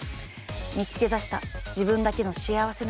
見つけ出した自分だけの幸せの形とは？